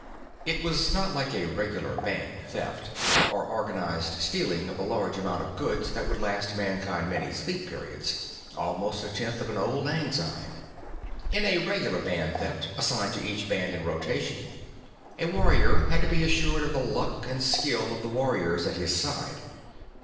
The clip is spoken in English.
It was not like a regular band theft or organized stealing of a large amount of goods that would last Mankind many sleep periods, almost a tenth of an auld lang syne. In a regular band theft, assigned to each band in rotation, a warrior had to be assured of the luck and skill of the warriors at his side.